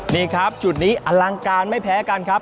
นี่ครับจุดนี้อลังการไม่แพ้กันครับ